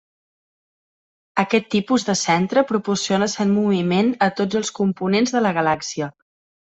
Aquest tipus de centre proporciona cert moviment a tots els components de la galàxia.